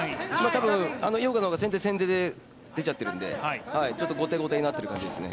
多分、井岡の方が先手先手で出ちゃっているんでちょっと後手後手になっている感じですね。